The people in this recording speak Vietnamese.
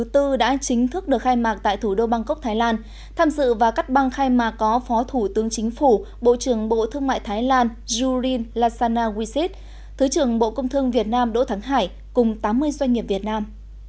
tham dự và cắt băng khai mà có phó thủ tướng chính phủ bộ trưởng bộ thương mại thái lan jury lasana wisit thứ trưởng bộ công thương việt nam đỗ thắng hải cùng tám mươi doanh nghiệp việt nam